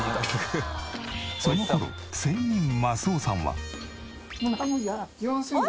その頃仙人益男さんは。